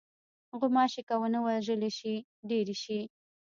غوماشې که ونه وژلې شي، ډېرې شي.